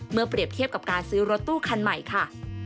เปรียบเทียบกับการซื้อรถตู้คันใหม่ค่ะ